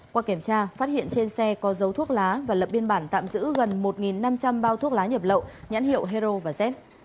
qua kiểm tra phát hiện trên xe có dấu thuốc lá và lập biên bản tạm giữ gần một năm trăm linh bao thuốc lá nhập lậu nhãn hiệu hero và z